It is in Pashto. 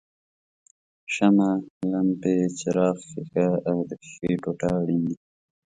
شمع، لمپې څراغ ښيښه او د ښیښې ټوټه اړین دي.